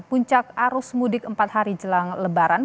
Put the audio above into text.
puncak arus mudik empat hari jelang lebaran